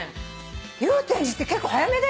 祐天寺って結構早めだよ。